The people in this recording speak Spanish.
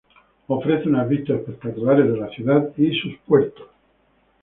Ofrece unas vistas espectaculares de la ciudad y sus puertos.